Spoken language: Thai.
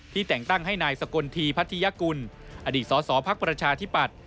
ที่แต่งตั้งให้นายสกลทีพัฒน์ธิยกุลอดีตสภพธิปัตร